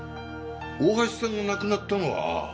大橋さんが亡くなったのは。